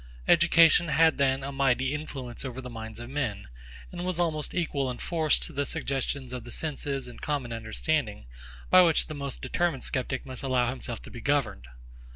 Education had then a mighty influence over the minds of men, and was almost equal in force to those suggestions of the senses and common understanding, by which the most determined sceptic must allow himself to be governed.